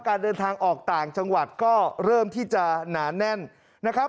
การเดินทางออกต่างจังหวัดก็เริ่มที่จะหนาแน่นนะครับ